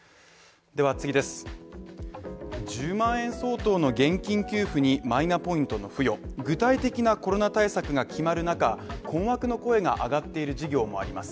１０万円相当の現金給付にマイナポイントの付与、具体的なコロナ対策が決まる中、困惑の声が上がっている事業もあります。